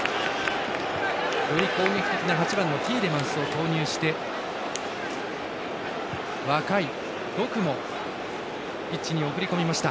より攻撃的な８番のティーレマンスを投入して若いドクもピッチに送り込みました。